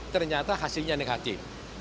ternyata hasilnya negatif